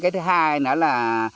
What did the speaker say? thứ hai là